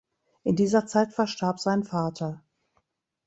In dieser Zeit verstarb sein Vater.